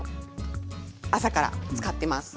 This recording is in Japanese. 朝から使ってます。